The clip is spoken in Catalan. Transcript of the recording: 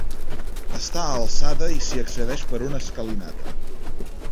Està alçada i s'hi accedeix per una escalinata.